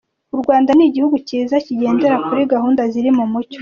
U Rwanda ni igihugu cyiza kigendera kuri gahunda ziri mu mucyo.